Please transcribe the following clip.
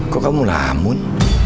kok kamu lamun